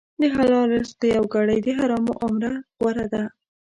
د حلال رزق یوه ګړۍ د حرامو عمره غوره ده.